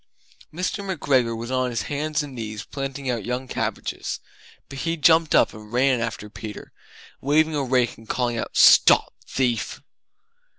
Mr. McGregor was on his hands and knees planting out young cabbages, but he jumped up and ran after Peter, waving a rake and calling out "Stop thief!"